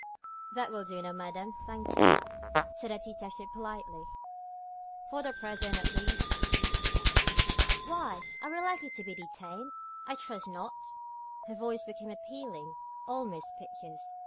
"That will do, madame, thank you," said the detective, politely, "for the present at least." "Why, are we likely to be detained? I trust not." Her voice became appealing, almost piteous.